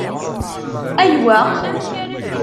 Ayweq?